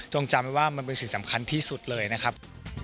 จำไว้ว่ามันเป็นสิ่งสำคัญที่สุดเลยนะครับ